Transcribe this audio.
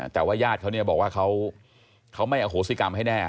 แต่ว่ายาดเขาบอกว่าเขาไม่อโหสิกรรมให้แน่